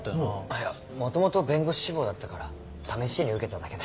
いやもともと弁護士志望だったから試しに受けただけだよ。